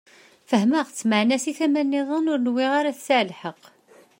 Fehmeɣ-tt, meɛna si tama-nniḍen ur nwiɣ ara tesɛa lḥeqq.